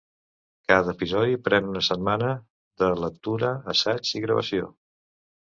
Cada episodi pren una setmana de lectura, assaig i gravació.